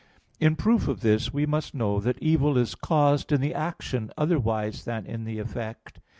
In proof of this, we must know that evil is caused in the action otherwise than in the effect.